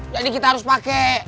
jadi kita harus pake